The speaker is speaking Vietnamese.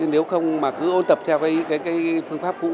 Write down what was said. nếu không mà cứ ôn tập theo cái phương pháp cũ